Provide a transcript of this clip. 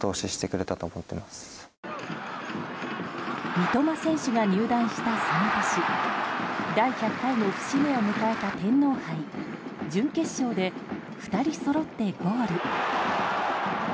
三笘選手が入団した、その年第１００回の節目を迎えた天皇杯準決勝で２人そろってゴール。